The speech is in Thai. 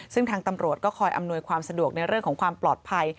ซึ่งทางตำรวจก็คอยอำนวยความสะดวกในเรื่องของความปลอดภัย